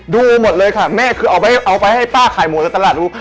ดูหมดเลยค่ะแม่คือเอาไปเอาไปให้ป้าขายหมดในตลาดดู